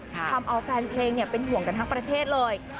ทำเอาแฟนเพลงเป็นห่วงกันทั้งประเทศเลย